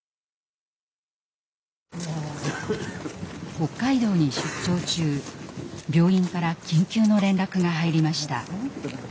北海道に出張中病院から緊急の連絡が入りました。